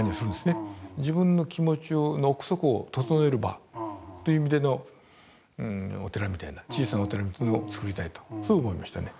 自分の気持ちの奥底を整える場という意味でのお寺みたいな小さなお寺をつくりたいとそう思いましたね。